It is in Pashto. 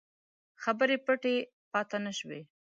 خبرې پټې پاته نه شوې.